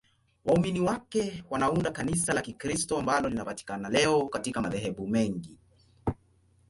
Waumini wake wanaunda Kanisa la Kikristo ambalo linapatikana leo katika madhehebu mengi.